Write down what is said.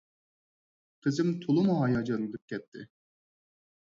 قىزىم تولىمۇ ھاياجانلىنىپ كەتتى.